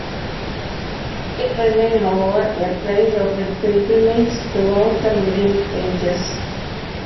It remained, however, a place of pilgrimage throughout the Middle Ages.